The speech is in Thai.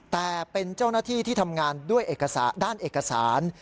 แต่เป็นเจ้าหน้าที่ที่ทำงานด้วยด้านเอกสาร